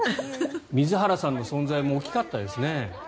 水原さんの存在も大きかったですね。